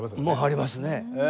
もありますね。